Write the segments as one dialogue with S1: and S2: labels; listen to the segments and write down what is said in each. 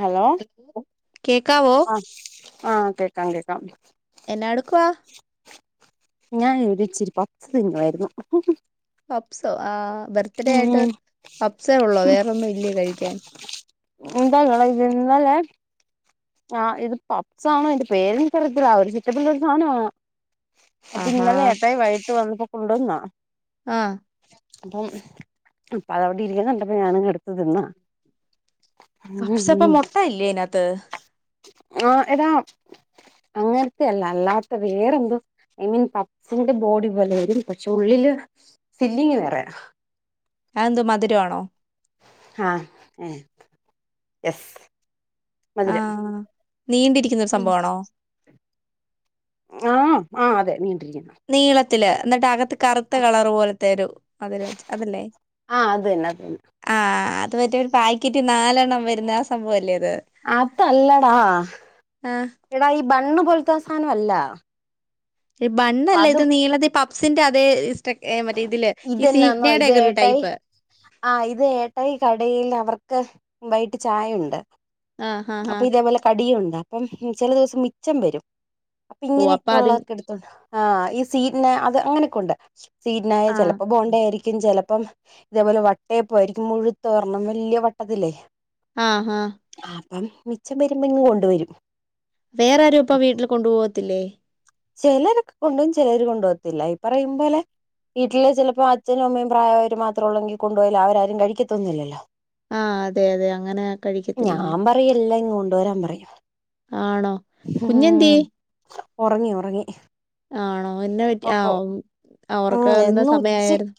S1: Hello ആ ആ കേക്കാം കേക്കാം.
S2: എന്നാ എടുക്കുവ?
S1: ഞാൻ ഇച്ചിരി പപ്‌സ് തിന്നായിര്ന്നു.
S2: പപ്പ്സോ ആ ബർത്ത്ഡേ ആയിട്ട് പപ്പ്സേ ഉള്ളോ വേറൊന്നും ഇല്ലേ കഴിക്കാൻ?
S1: ന്താ ഇങ്ങളെ [unintelligible] ഇന്നലെ ആ ഇത് പപ്പ്സ് അപ്പൊ
S2: ആഹാ
S1: ഇന്നലെ ഏട്ടായി വൈകിട്ട് വന്നപ്പോ കൊണ്ടോന്നാ
S2: ആ
S1: അപ്പം അതവടെ ഇരിക്ക്ന്ന കണ്ടപ്പം ഞാനങ്ങ് എട്ത്ത് തിന്നാ
S2: പപ്പ്സപ്പ മുട്ട ഇല്ലേ തിനാത്ത്
S1: ആ ഏതാ അങ്ങനത്തെ അല്ല അല്ലാത്ത വേറെന്തോ ഐ മീൻ പപ്പ്സിന്റെ ബോഡി പോലെ വരും പക്ഷെ ഉള്ളില് സില്ലിങ്ങ് വേറയാ
S2: ആ എന്ത് മധുരാണോ
S1: ആ എസ്
S2: ആ നീണ്ടിരിക്കുന്നോരു സംഭവം ആണോ
S1: ആഹ ആ അതെ നീൻ
S2: നീളൻ ഇല്ല എന്നിട്ട അകത്ത് കറുത്ത കളർ പോലത്തെ ഒരു അതിരട്ട് അതല്ലേ
S1: ആ അത് തന്നെ അത് തന്നെ
S2: ആ അത് മറ്റേ ഒരു പാക്കറ്റ് നാലെണ്ണം വരുന്ന ആ സംഭവം അല്ലേ
S1: അത് അല്ലടാ
S2: ആ
S1: എടാ ഈ ബണ് പോലത്തെസാനം അല്ല
S2: ബണ്ണല്ല
S1: അതും
S2: ഇത് നീളതി പ സിന്റെ അതേ സ്ട്ര ഏ, മറ്റേ ഇതില് ഈ
S1: ഇതെന്നാന്നോ
S2: സീഗ്നയുടെ
S1: ഇത്
S2: ഒക്കെ ഒരു
S1: ഏട്ടായി
S2: ടൈപ്പ്
S1: ആ ഇത് എട്ടായി കടയിൽ അവർക്ക് വൈട്ട് ചായയുണ്ട്
S2: ആ ഹാ ഹാ
S1: അപ്പൊ ഇതേപോലെ കടിയുണ്ട് അപ്പം ചില ദിവസം മിച്ചം വരും അപ്പൊ
S2: ഓ
S1: ഇങ്ങനെയൊക്കെ
S2: അത്
S1: ഉള്ളവർക്ക് എടുത്തോണ്ട ആ ഈ സീറ്റിന അത് അങ്ങനെയൊക്കെ ഉണ്ട് സീറ്റിനായ
S2: ആ
S1: ചിലപ്പോ ബോണ്ട ആയിരിക്കും ചിലപ്പം ഇതേപോലെ വട്ടയപ്പോയിരിക്കും മുഴുത്ത ഒരണ്ണം വലിയ വട്ടത്തില്ലേ
S2: ആഹ്‌
S1: മ്മ് മിച്ചം വരുമ്പോ ഇണ്ട്കൊണ്ടുവരും
S2: വേറെരും ഇപ്പ വീട്ടിൽ കൊണ്ടുപോവത്തില്ലേ
S1: ചിലരൊക്കെ കൊണ്ടപോവും ചിലര് കൊണ്ടു പോകത്തില്ല ഈ പറയും പോലെ വീട്ടില് ചിലപ്പോ അച്ഛനും അമ്മയും പ്രായവര് മാത്രം ഉള്ളെങ്കിൽ കൊണ്ടു പോയാല് അവരാരും കഴിക്കത്തൊന്നുമില്ലല്ലോ
S2: ആ അതെ അതെ അങ്ങനെ കഴിക്കത്തില്ലല്ലോ.
S1: ഞാൻ പറയും എല്ലാം ഇങ്ങ് കൊണ്ടുവരാൻ പറയും
S2: ആണോ കുഞ്ഞ്
S1: ഉം
S2: എന്തേയ്
S1: ഉറങ്ങി ഉറങ്ങി
S2: ആണോ എന്നപറ്റി ആ
S1: ഓക്കോ
S2: ഒ ഒറക്കംവരേണ്ട സമയമായർന്നു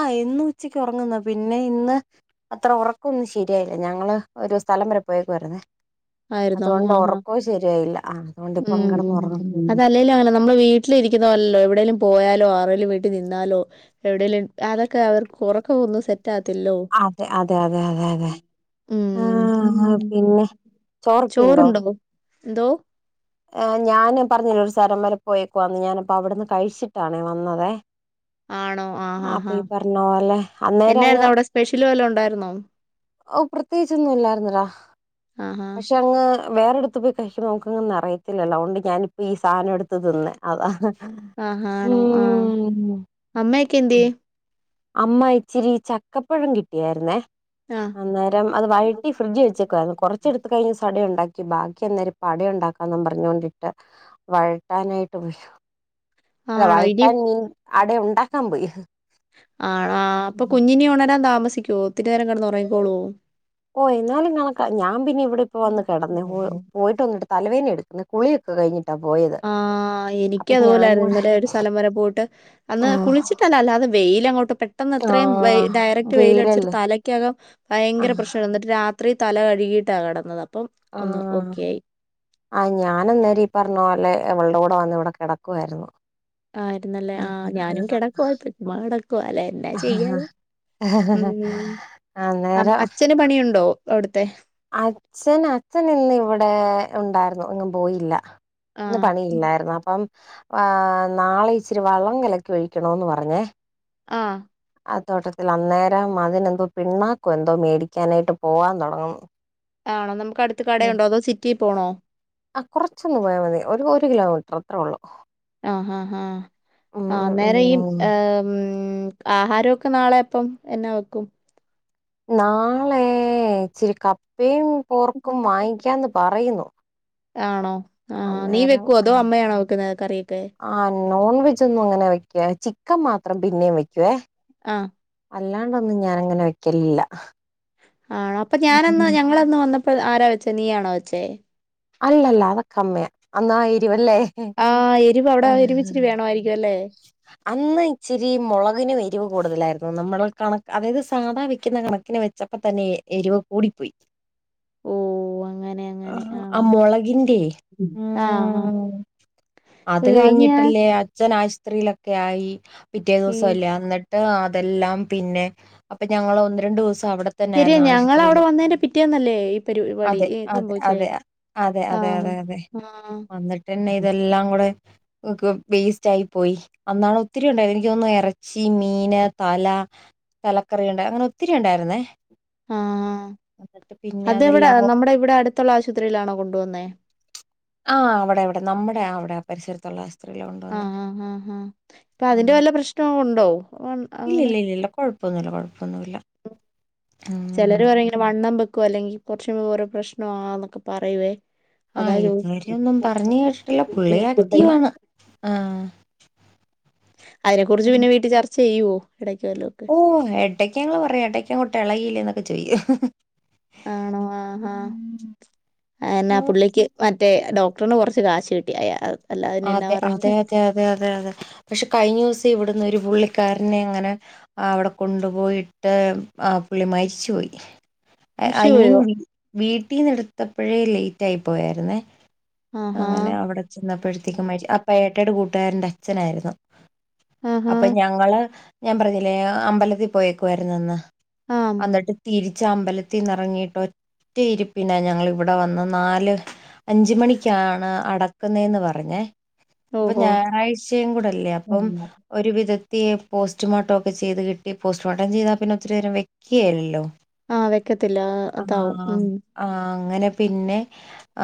S1: ആഹ ഇന്ന് ഉച്ചക്ക് ഉറങ്ങുന്ന പിന്നെ ഇന്ന് അത്ര ഉറക്കൊന്നും ശരിയായില്ല ഞങ്ങള് ഒരു സ്ഥലം വരെ പോയേക്കുവായിരുന്നു
S2: ആയിരുന്നോ ആഹഹ
S1: ആ അതുകൊണ്ട്
S2: ഉ
S1: ഇപ്പം കിടന്ന് ഉറങ്ങുന്നു
S2: അതല്ലേലും അങ്ങനാ നമ്മള് വീട്ടില് ഇരിക്കുന്നപോല്ലല്ലോ എവിടെേങ്കലും പോയാല് ആ ആരേലും വീട്ടിൽ നിന്നാലോ എവിടേലും അതൊക്കെ അവർക്ക്‌ ഉറക്കമൊന്നും സെറ്റ് ആവത്തില്ലല്ലോ.
S1: അതെ അതെ അതെ അതെ അതെ ആ
S2: മ്മ്.
S1: പിന്നെ ചോറൊക്കെഉണ്ടോ
S2: ചോറുണ്ടോ? എന്തോ
S1: ആ ഞാന് പറഞ്ഞില്ലെ ഒരു സ്ഥലംവരെ പോയേക്കുന്ന് ഞാനപ്പ അവിടുന്ന് കഴിച്ചിട്ടാണേ വന്നതെ
S2: ആണോ?
S1: അപ്പൊ
S2: ആഹാഹാ.
S1: ഈ പറഞ്ഞോല്ലെ അന്നേര
S2: എന്നായിരുന്നു
S1: അങ്ങ്
S2: അവിടെ സ്പെഷ്യൽ വല്ലോം ഉണ്ടായിരുന്നോ?
S1: ഓ പ്രത്യേകിച്ചോന്നുംല്ലായിരുന്ന ഡാ
S2: ആഹാ.
S1: പക്ഷെ അങ്ങ് വേറെ അടുത്ത് പോയി കഴിക്ക നമക്ക് ങ്ങ് നറയും ത്തില്ലോ തൊണ്ട് ഞാനിപ്പോ ഈ സാധനം എടുത്ത് തിന്നെ അതാ
S2: ആ ആണോ ആ
S1: ഉം.
S2: അമ്മയൊക്കെ എന്തേ
S1: അമ്മ ഇച്ചിരി ചക്കപ്പഴം കിട്ടിയായിരുന്നേ
S2: ആഹ്
S1: അന്നേരം അത് വഴറ്റി ഫ്രിഡ്ജ് വെച്ചക്കുവായിരുന്നു കുറ ച്ചെടുത്ത് കഴിഞ്ഞ് സട ഉണ്ടാക്കി ബാക്കി അന്നേരം പടഉണ്ടാക് കന്നും പറഞ്ഞൊണ്ടിട്ട് വഴക്കനായിട്ട് രു അല്ല
S2: ആണോ ഇനി
S1: വഴട്ടാൻ നിനീ അടെ ഉണ്ടാക്കാൻ പോയി
S2: ആണോ അപ്പൊ
S1: ഉം.
S2: കുഞ്ഞിനി ഉണരാന്ത താമസിക്കോ ഒത്തിരി നേരം കിടന്ന്റങ്ങിക്കോകൊളുവോ
S1: ഓ എന്നാലും കണക്ക ഞാൻ പിന്നെ ഇവിടെ ഇപ്പ വന്ന് കിടന്ന പോയിട്ട ഒന്നി തലവേദന എടുക്കുന്ന് കുളിയൊക്കെ കഴിഞ്ഞ
S2: ആ എനിക്ക് അതുപോലൊയിരുന്നു
S1: കൂടെ
S2: ഇന്നലെ ഒരു സ്ഥലം വരെ പോയിട്ട് അന്ന്
S1: ഓഹ്
S2: കുളിച്ചിട്ടല്ല അല്ല അത് വെയി ലങ്ങോട്ട് പെട്ടെന്ന് അത്രയും വെയ്
S1: ആഹ്
S2: ഡയറക്ട് വെയിലടിച്ചിട്ട്
S1: വെയിലല്ലേ
S2: തലക്കകം ഭയങ്കര
S1: ആഹ്
S2: പ്രശ്നായിരുന്നു എന്നിട്ട് രാ ത്രീ തല കഴുകിയിട്ട കിടന്നതപ്
S1: ആ ആ ഞാനന്നേരം ഈ പറഞ്ഞ പോലെ അവളുടെ കൂടെ വന്നിവിട കിടക്കുവായിരുന്നു
S2: ആരുന്നല്ലേ ആ
S1: അങ്ങനെ
S2: ഞാനും കെടക്കുവാരുന്നു. ചുമ്മ കെടക്കുവ അല്ലെ എന്നാ
S1: ആഹ്
S2: ചെയ്യാനാ ഉം അം
S1: അന്നേരം
S2: അച്ഛന് പണിയുണ്ടോ? അവിടുത്തെ
S1: അച്ഛൻ അച്ഛനിന്ന് ഇവിടേ ഒണ്ടായിരുന്നു. എങ്ങും പോയില്ല. ഇന്ന്
S2: ആഹ്
S1: പണിയില്ലായിരുന്നു അപ്പം ആഹ് നാളെ ഇച്ചിരി വളം കലക്കി ഒഴിക്കണോന്ന് പറഞ്ഞേ.
S2: ആ
S1: ആ തോട്ടത്തിൽ അന്നേരം അതിനെന്തോ പിണ്ണാക്കോ എന്തോ മേടിക്കാനായിട്ട് പോവാൻ തൊടങ്ങുന്ന്.
S2: ആണോ നമു ക്കടുത്ത് കടയൊണ്ടോ അതോ സിറ്റീ പോണോ?
S1: ആ കുറച്ചൊന്ന് പോയാ മതി ഒര് ഒരു കിലോമീറ്റർ അത്രേ ഒള്ളൂ.
S2: ആ ഹ ഹാ ആ അന്നേരം ഈ
S1: ഉം
S2: ഏഹ് ഉം ആഹാരൊക്കെ നാളെ പ്പം എന്നാ വെക്കും
S1: നാളേ ച്ചിരി കപ്പയും പോർക്കും വാങ്ങിക്കാന്ന് പറയ്ന്നു
S2: ആണോ ആ നീ
S1: അന്നേരം
S2: വെക്കുവോ
S1: ആ
S2: അതോ അമ്മയാണോ വെക്കുന്നത് കറിയൊക്കെ
S1: ആ നോൺവെജ്ജാെന്നും അങ്ങനെ വെക്ക ചിക്കൻ മാ ത്രം പിന്നേം വെക്കുവേ
S2: ആ
S1: അല്ലാണ്ടൊന്നും ഞാനങ്ങനെ വെക്കലിൽല്ല
S2: ആണോ അപ്പൊ ഞാനന്ന് ഞങ്ങളന്ന് വന്നപ്പോ ആരാ വെച്ചേ നീ ആണോ വെച്ചേ
S1: അല്ലല്ല അതൊക്കെ അമ്മയാ അന്നാ എരിവല്ലേ
S2: ആ എരിവ് അവിടെ എരിവ് ഇച്ചിരി വേണമായിരിക്കും അല്ലേ
S1: അന്ന് ഇച്ചിരി മൊളകിനും എരിവ് കൂട്തലായ്ര് ന്നു നമ്മളെ ഒര് കണ അതായത് സാധാ വെക്ക്ന്ന കണക്കിന് വെച്ചപ്പത്തന്നെ എരിവ് കൂടിപ്പോയ്
S2: ഓ അ
S1: ആഹാ അ മൊളകിൻ ട്ടെ
S2: ആ ആ
S1: ഊം അത്
S2: അയ്യോ ഞാൻ
S1: കഴിഞ്ഞിട്ടല്ലേ അച്ഛൻ ആശ് റിലൊക്കെ ആയി പിറ്റേ
S2: ഈ
S1: ദുവസല്ലേ അന്ന് ട്ട് അതെല്ലാം പിന്നെ അപ്പ ഞങ്ങള് ഒന്ന് രണ്ടൂസ്
S2: ശെരിയ ഞങ്ങവടെ വന്നതിന്റെ പിറ്റേന്നല്ലേ ഈ പരിപാടി
S1: അതെ
S2: ഈ
S1: അതെ
S2: സംഭവിച്ചേ
S1: അതെ അതെ
S2: ആ
S1: അതെ അതെ അതെ
S2: ആ
S1: വന്നിട്ട്ന്നെ ഇതെല്ലാം കൂടെ വേസ്റ്റ് ആയി പോയി അന്നാണ് ഒത്തിരി ഉണ്ടായിത് എനിക്ക് തോന്നുന്നു ഇറച്ചി മീന് തല തലക്കറിയുണ്ടായി അങ്ങനെ ഒത്തിരി ഉണ്ടായിരുന്നേ
S2: ആ
S1: എന്നിട്ട് പിന്നെ
S2: അത് ഇവിടെ
S1: അതെല്ലാം കൊ-
S2: നമ്മുടെ ഇവിടെ അടുത്തുള്ള ആശുപത് ത്രിയിലാണോ കൊണ്ടുവന്നേ
S1: ആ അവിടെ അവിടെ നമ്മുടെ അവിടെ പരിസരത്തുള്ള ആസ
S2: ആഹ ആ ആ ആഹ ഇപ്പൊ അതിന്റെ വല്ല പ്രശ്നവും ഉണ്ടോ ണ്ട ഉ അങ്ങനെ
S1: ഇപ്പൊന്നുല്ല കൊഴ
S2: ഉ ചെലര് പറയും ഇങ്ങനെ വണ്ണം വെ ക്കും അല്ലെങ്കിൽ കൊറച്ച് ദൂര പ്രശ്നം ആ എന്നൊക്കെ പറയുവേ അതാ
S1: ആഹ് ഇതുവരെ
S2: ചോദിച്ചത്.
S1: ഒന്നും പറഞ്ഞ് കേട്ടിട്ടില്ല പുള്ളി ആക്റ്റീവാണ് ആ
S2: അതിനെ കുറിച്ച് പിന്നെ വീട്ടിൽ ചർ ചെയ്യോ
S1: ഓ എടയ്ക്കങ്ങള് പറയു എടയ്ക്കാങ്ങോട്ട് എളകിയില്ലേന്നൊക്കെ ചോയിക്കും
S2: ആണോ ആ ഹാ അ എനാ പുള്ളിക്ക് മറ്റേ ഡോക് ടർന് കൊറച്ച് കാശ് കിട്ടി അയാ അഅ്
S1: അതെ അതെ അതെ അതെ അതെ അതെ പക്ഷെ കഴിഞ്ഞുസം ഇവിടന്ന് ഒരു പുള്ളിക്കാരനെ അങ്ങനെ അവിടെ കൊണ്ടുപോയിട്ട് ആ പുള്ളി മരിച്ച് പോയി ഐ മീൻ വി വീട്ടീന്ന് യെടുത്തപ്പഴേ ലേറ്റായി പോയായിരുന്നേ
S2: ആഹാ
S1: [unintelligible] അപ്പയേട്ടായ്ടെ കൂട്ടുകാരന്റെ അച്ഛനായിരുന്നു
S2: ആഹാ ആഹാ
S1: അപ്പൊ ഞങ്ങള് ഞാൻ പറഞ്ഞില്ലേ അമ്പലത്തിൽ പോയേക്കുവാരുന്നന്ന്
S2: ആം
S1: അന്നിട്ട് തിരി ച്ചാമ്പലത്തിന്ന് ഇറങ്ങിയിട്ട് ഒറ്റയിരിപ്പിനാ ഞങ്ങളിവിടെ വന്ന് നാല് അഞ്ച് മണിക്കാണ് അടക്കുന്നതേ ന്ന് പ റഞ്ഞെ അപ്പൊ
S2: ഓഹോ.
S1: ഞായറാഴ്ചയും കൂടല്ലേ അപ്പം ഒരുവിധ തീ പോസ്റ്റ്മോർട്ടം ഒക്കെ ചെയ്ത് കിട്ടി പോസ്റ്റ്മോർട്ടം ചെയ്താൽ പിന്നെ ഒത്തിരി നേരം വെയ്ക്കേലല്ലോ
S2: ആഹ് വെക്കത്തില്ല ഇതാവും ഉം
S1: ആ അങ്ങനെ പിന്നെ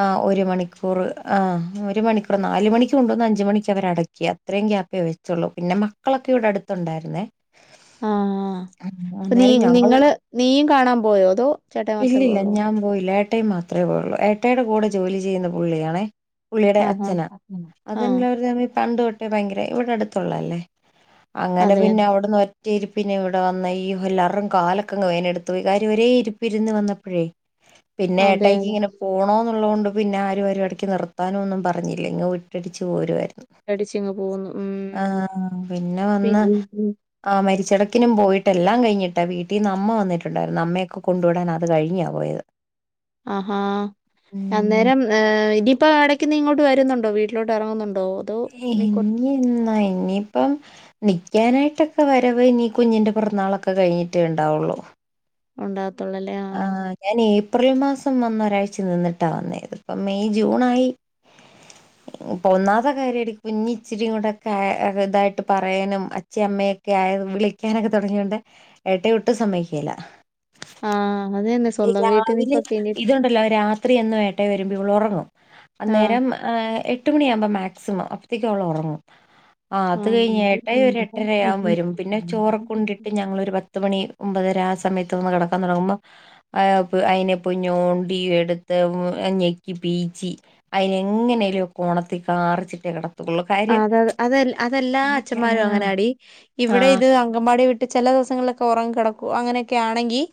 S1: ആ ഒരു മണിക്കൂർ ആ ഒരു മണി ക്കൂറ് നാല് മണിക്ക് കൊണ്ടുവന്ന് അഞ്ച് മണിക്ക് അവരടക്യ അത്രയും ഗ്യാപ്പേ വെച്ചുള്ളൂ പിന്നെ മക്കളൊക്കെ ഇവിടെടുത്തുണ്ടായിരുന്നേ
S2: ആഹ് അപ്പൊ നീ
S1: അന്നേരം ഞങ്ങൾ
S2: നിങ്ങള് നീയും കാണാൻ പോയോ അതോ ചേട്ടായി മാത്രേ
S1: ഇല്ലില്ല
S2: പോയൊള്ളൂ
S1: ഞാൻ പോയില്ല. ഏട്ടായി മാത്രേ പോയൊള്ളൂ ഏട്ടായിയുടെ കൂടെ ജോലി ചെയ്യുന്ന പുള്ളിയാണേ പുള്ളിയുടെ അ
S2: ആഹാ.
S1: ഛനാ
S2: ആ. ആ
S1: [unintelligible] പണ്ട് തൊട്ടേ ഭയങ്കര ഇവിടെ അടുത്തുള്ളല്ലേ അങ്ങനെ
S2: അതെ
S1: പിന്നെ
S2: അതെ.
S1: അവിടുന്ന് ഒറ്റ ഇരിപ്പി ഇവിടെ വന്ന ഈ ഹല്ലറും കാലക്കങ് വേന എടുത്ത്ു കാര്യം ഒരേ ഇരിപ്പി ഇരുന്ന് വന്നപ്പോഴേ പിന്നെ
S2: അതെ
S1: ഏട്ടക്ക്
S2: അതെ.
S1: ഇങ്ങനെ പോണോ തണ്ട് പിന്നെ ആര ഇടക്ക് നിർത്താനോും പറഞ്ഞ പറഞ്ഞില്ല ഇങ്ങങ് വിട്ടടിച്ച് പോരുവർ
S2: പേടിച്ചിങ്ങ് പോവുന്നു. ഉം.
S1: ആഹ പിന്നെ വന്ന്
S2: പിന്നെ
S1: ആ മരിച്ചിടക്കിനും പോയിട്ടെല്ലാം കഴിഞ്ഞിട്ട് മറ്റ വീട്ടിൽ അമ്മ വന്നിട്ടുണ്ടായിരുന്നു അമ്മയൊക്കെ കൊണ്ട വിടാൻ അത് കഴിഞ്ഞാ പോയത്
S2: ആഹാ
S1: ഉം
S2: അന്നേരം ഹർ ഇ ഇപ്പോ ഇടക്ക് നി ഇങ്ങോട്ട് വരുന്നുണ്ടോ വീട്ടിലട്ട് ഇറങ്ങുന്നുണ്ടോ അതോ കൊർ
S1: ഇനി എന്നാ ഇനിയിപ്പം നിക്കാനായിട്ടൊക്കെ വരവ് ഇനിീ കുഞ്ഞിന്റെ പിറന്നാളൊക്കെ കഴിഞ്ഞിട്ടേ ഉണ്ടാവുള്ളു
S2: ഉണ്ടാക്ക
S1: ആഹ ഞാന ഏപ്രിൽ മാസം വന്ന ഒരാഴ്ച നിന്നിട്ടാ വന്നേത് ഇപ്പ മെയ് ജൂണായി ഇപ്പ ഒന്നാത്തെ കാര്യം എടക്ക് കുഞ്ഞച്ചിരി കൂടെൊക്കെ ഇതായിട്ട് പറയാനും അച്ഛ അമ്മയൊക്കെ ആയ വിളിക്കാനൊക്കെ തുടങ്ങിയ കൊണ്ട് ഏട്ട വിട്ട് സമ്മക്കല
S2: ആഹ
S1: രാവിലെ ഇതുണ്ടല്ലോ രാത്രി എന്നന്ന് വേട്ടേ വരുമ്പോ ഉറ
S2: ആ.
S1: അന്നേരം എട്ട് മണിയാാവുമ്പോ മാക് ക്സിമം അപ്പോഴത്തേക്കും അവള ഉറങ്ങും ആ അത് കഴിഞ്ഞ് ഏട്ടായി ഒരു എട്ടരയാകൻ വരും പിന്നെ ചോറ്
S2: ആ.
S1: കൊണ്ടിട്ട് ഞങ്ങൊ ഒരു പത്ത് മണി ഒമ്പതര സമയത്ത് ഒന്ന് കിടക്കാൻ തുടങ്ങുമ്പോ അയിെപ്പ ഞോണ്ടിയ എടുത്ത് ഞെക്കി പീച്ചി അതിനന് എങ്ങനെലും കോണത്തിൽ കാറിച്ചിട്ടേ കിട
S2: അത അതെ അതെല്ലാ അച്ഛന്മാരും അങ്ങനൊടി
S1: ആ
S2: ഇവിടെ ഇത് അങ്കമ്പാടി വിട്ട ട്ട് ചിലിവങ്ങളൊക്കെ ഉറങ്ങി കടക്കു അങ്ങനൊക്കെ ആണെങ്കിൽ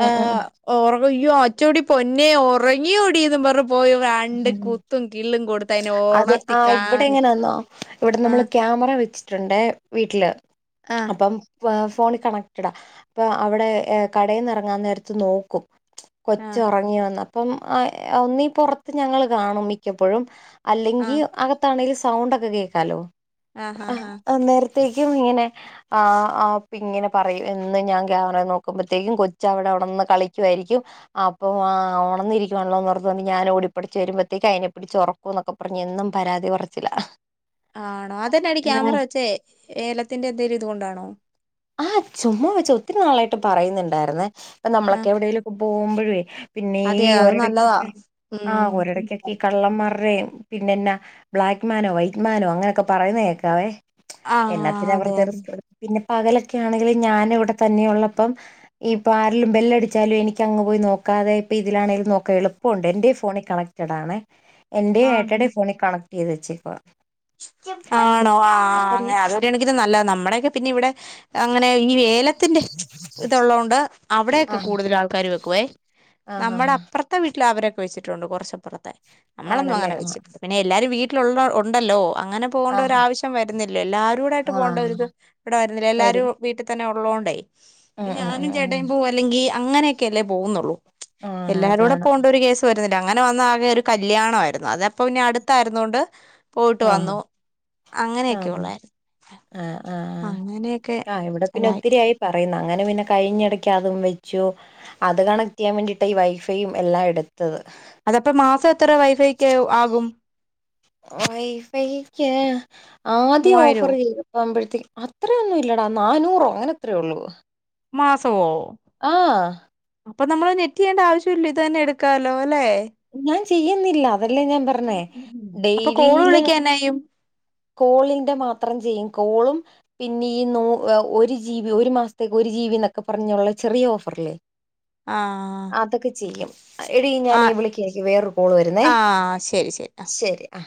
S1: ഉം
S2: ആഹ
S1: ഉം
S2: ഓർ അയ്യോ അച്ചോടി പൊന്നെ ഉറങ്ങിയ ഓടിയന്ന് പറ പോയി രണ്ട്
S1: ഉം
S2: കുത്തും കില്ലും കൊടുത്ത അതിനെ
S1: അതെ
S2: ഉണത്തി
S1: ആ ഇവിടെ
S2: കാറിച്ച്
S1: എങ്ങനാന്നോ ഇവിടെ നമ്മൾ
S2: ആഹ്
S1: ക്യാമറ വെച്ചിട്ടുണ്ട് വീട്ടില്
S2: ആഹ്
S1: അപ്പം ഫോണിൽ കണക്റ്റഡാണ് അപ്പോം അവിടെ കടയിൽ നിന്ന ഇറങ്ങാൻ നേരത്ത് നോക്കും കൊച്
S2: ആഹ്
S1: ഉറങ്ങി വന്ന അപ്പം ഒന്നീ പുറത്ത് ഞങ്ങള്ൾ കാണും മിക്കപ്പോഴും
S2: ആഹ്
S1: അല്ലെങ്കിൽ അകത്താണെങ്കിൽ സൗണ്ട ഒക്കെ കേക്കാലോ
S2: ആഹ ഹഹ് ആഹ
S1: തെക്കും ഇങ്ങനെ ഇങ്ങനെ പറയും എന്ന് ഞാൻ ക്യാമറ നോക്കുമ്പോഴത്തേക്കും കൊച്ച് അവിടെവിണന്ന് കളിക്കുവായിരിക്കും. അപ്പൊ ഉണന്നിരിക്കുവാണല്ലോന്നോർത്ത് ഞാൻ ഓടി [unintelligible] വരുമ്പഴത്തേക്ക് അതിനെപ്പ പിടിച്ച് ഉറക്കും എന്നൊക്കെ പറഞ്ഞ് എന്നും പരാതി പറച്ചിലാ.
S2: ആണോ അതന്നെ അടി ക്യാമറ വെച്ചേ ഏലത്തിന്റെ എന്തെലും ഇതുകൊണ്ടാണോ?
S1: ആഹ് ചുമ്മാ വെച്ച ഒത്തിരി നാളായിട്ട് പറയുന്നുണ്ടായിരുന്നേ. നമ്മളൊക്കെ
S2: ആഹ്
S1: എവിടെലും പോകുമ്പോഴെ പിന്നെ ഈ
S2: അതെ അത് നല്ലതാ
S1: ഒരിടക്കൊക്കെ ആ
S2: ഉം
S1: ഒരിടക്കൊക്കെ ഈ കള്ളം മാരുടെ പിന്നെന്നാ ബ്ലാക്ക്മാനോ വൈറ്റ്മാനോ അങ്ങനെയൊക്കെ പറയുന്ന കേക്കാവേ.
S2: ആഹ്
S1: എന്നത്തിനാ
S2: അതെ
S1: വെറുതെ
S2: അതെ
S1: റിസ്ക് ഇടക [unintelligible] ൻ പിന്നെ പകലൊക്കെ ആണെങ്കില് ഞാനിവിടെ തന്നെയുള്ളപ്പം ഇപ്പം ആരേലും ബെല്ലടിച്ചാലും എനിക്ക് അങ്ങ് പോയി നോക്കാതെ ഇപ്പ ഇതിലാണെങ്കിലും നോക്കാം എളുപ്പമുണ്ട് എന്റയും ഫോണിൽ കണക്റ്റഡ് ആണേ എന്റെ ഏട്ടടെ
S2: ആഹ്
S1: ഫോണിൽ കണക്ട് ചെയ്ത് വെച്ചേക്കുവാ
S2: ആണോ ആ
S1: അപ്പം
S2: അങ്ങനെ അതൊരു കണക്കിന് നല്ലതാ നമ്മുടെയൊക്കെ പിന്നെ ഇവിടെ- അങ്ങനെ ഈ ഏലത്തിന്റെ ഇതൊള്ളോണ്ട് - അവിടെക്കെ
S1: ആഹ്
S2: കൂടുതൽ ആൾക്കാര് വെക്കുവേ
S1: ആഹ്
S2: നമ്മുടെ
S1: ആഹ്
S2: അപ്പുറത്തെ വീട്ടിൽ അവരൊക്കെ കഴിച്ചിട്ടുണ്ട് കുറച്ചപ്പുറത്തെ നമ്മളൊന്നും
S1: ആണല്ലേ
S2: അങ്ങനെ
S1: ആഹ്
S2: വെച്ചിട്ടില്ല പിന്നെ എല്ലാരും വീട്ടിൽ ക്കുള്ള ഉണ്ട് ഉണ്ടലോ അങ്ങനെ പോകേണ്ട ഒരു
S1: ആഹ്
S2: ആവശ്യം വരുന്നില്ല എല്ലാരുടായിട്ട് പോകേണ്ട
S1: ആഹ്
S2: ഒരു ഇത് ഇവിടെ വരുന്നില്ല
S1: വരും
S2: എല്ലാരും വീട്ടിൽ തന്നെ- ഉള്ളോണ്ടെ ഇപ്പ
S1: ഉം ഉം
S2: ഞാനും
S1: ഉം
S2: ചേട്ടയും
S1: ഉം
S2: പോ അല്ലെങ്കിൽ അങ്ങനെയൊക്കെ അല്ലേ പോകുന്നുള്ളൂ
S1: ആണ്
S2: എല്ലാരും കൂടെ
S1: അതാണ്
S2: പോകേണ്ട ഒരു കേസ് വരുന്ന അങ്ങനെ വന്ന ആകെ ഒരു കല്യാണ ആരുന്നു അതിപ്പ പിന്നെ അടുത്തായിരുന്നോണ്ട് പോയിട്ട്
S1: ആഹ്
S2: വന്നു അങ്ങനെയൊക്കെള്ളായിരുന്നു
S1: ആ ആ ഇവിടെ പിന്നെ ഒത്തിരിയായി പറ പറയുന്ന അങ്ങനെ പിന്നെ കഴിഞ്ഞിടയ്ക്ക് അതും വെച്ചു അത് കണക്ട് ചെയ്യാൻ വേണ്ടിട്ടാണ് ഈ വൈഫൈയും എല്ലാം എടുത്തത്
S2: അതപ്പ മാസം എത്ര വൈഫൈക്ക് ആകും
S1: വൈഫൈക്ക് ആദ്യം
S2: മൂവായിരോ
S1: ഓഫർ ചെയ്ത് പോകുമ്പോഴത്തേക്ക് അത്ര ഒന്നും ഇ ല്ലടാ നാനൂറോ അങ്ങനെത്രേ ഉള്ളൂ
S2: മാസവോ
S1: ആഹ്
S2: അപ്പ നമ്മൾ നെറ്റ് ചെയ്യേണ്ട ആവശ്യവില്ല ഇത് തന്നെ എടുക്കാലോ അല്ലെ
S1: ഞാൻ ചെയ്യുന്നില്ല അതല്ലേ ഞാൻ പറഞ്ഞേ
S2: അപ്പൊ
S1: ഡെയ്
S2: കോള്
S1: ലിയില്
S2: വിളിക്കാനായും
S1: കോളിന്റെ മാത്രം ചെയ്യും കോളും പിന്നെ ഈ നൂ ഒരു ജീ ബി ഒരു മാസത്തേക്ക് ഒരു ജീ ബി എന്നൊക്കെ പറഞ്ഞുള്ള ചെറിയ ഓഫർല്ലേ
S2: ആഹ്
S1: അതൊക്കെ ചെയ്യും എടി ഞാനീ
S2: ആഹ്
S1: വിളിക്ക എനിക്ക് വേറൊരു കോള് വരുന്നേ
S2: ആഹ് ശരി
S1: ശരി ആ